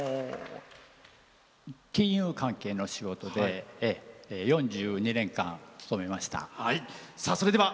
金融関係の仕事で４２年間勤めました。